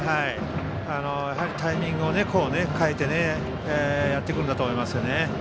やはりタイミングを変えてやってくるんだと思います。